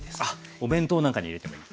お弁当なんかに入れてもいい。